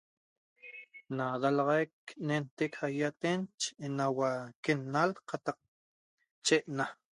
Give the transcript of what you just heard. Na dalaxaic nentec saiaten enaua quenal qataq checna